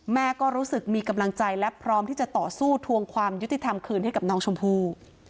แม่ก็รู้สึกมีกำลังใจและพร้อมที่จะต่อสู้ทวงความยุติธรรมคืนให้กับน้องชมพู่